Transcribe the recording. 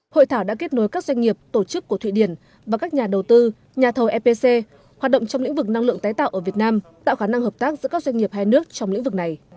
hội thảo đã kết nối các doanh nghiệp tổ chức của thụy điển và các nhà đầu tư nhà thầu epc hoạt động trong lĩnh vực năng lượng tái tạo ở việt nam tạo khả năng hợp tác giữa các doanh nghiệp hai nước trong lĩnh vực này